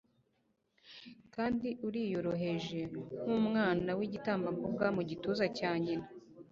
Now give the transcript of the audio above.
kandi uriyoroheje, nk'umwana w'igitambambuga mu gituza cya nyina